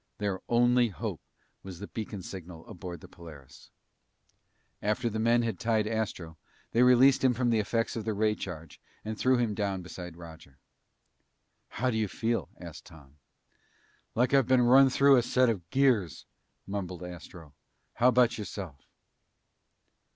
Their only hope was the beacon signal aboard the Polaris. After the men had tied Astro, they released him from the effects of the ray charge and threw him down beside Roger. "How do you feel?" asked Tom. "Like I've been run through a set of gears," mumbled Astro. "How about yourself?"